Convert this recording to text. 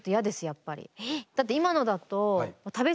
やっぱり。